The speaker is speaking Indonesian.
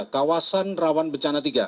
kawasan rawan bencana tiga